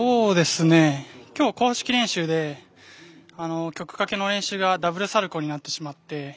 今日、公式練習で曲かけの練習がダブルサルコーになってしまって。